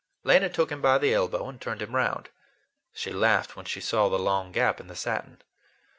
Lena took him by the elbow and turned him round. She laughed when she saw the long gap in the satin.